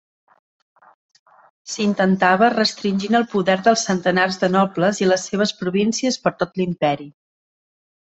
S'intentava restringint el poder dels centenars de nobles i les seves províncies per tot l'Imperi.